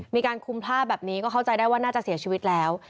มีการคุมผ้าแบบนี้ก็เข้าใจได้ว่าน่าจะเสียชีวิตแล้ว